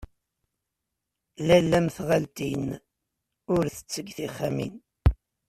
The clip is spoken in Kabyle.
Lalla mm tɣaltin, ur tettegg tixxamin.